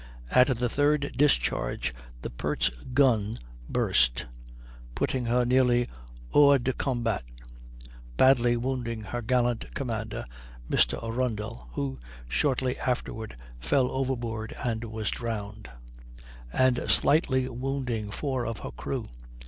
At the third discharge the Pert's gun burst, putting her nearly hors de combat, badly wounding her gallant commander, Mr. Arundel (who shortly afterward fell overboard and was drowned), and slightly wounding four of her crew.